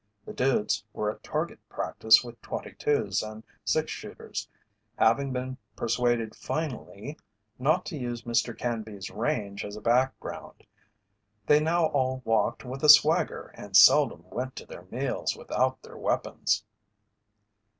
The "dudes" were at target practice with 22's and six shooters, having been persuaded finally not to use Mr. Canby's range as a background. They now all walked with a swagger and seldom went to their meals without their weapons.